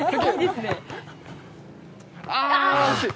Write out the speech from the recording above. あー惜しい。